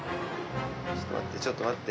ちょっと待ってちょっと待って。